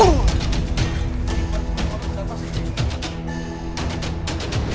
oh apa sih